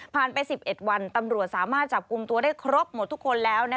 ไป๑๑วันตำรวจสามารถจับกลุ่มตัวได้ครบหมดทุกคนแล้ว